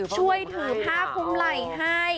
ช่วยถือผ้าคุ้มไหล่ให้